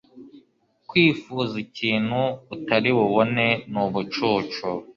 Kwifuza ikintu utari bubone ni ubucucu